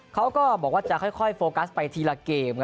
เขาก็บอกว่าจะค่อยโฟกัสไปทีละเกม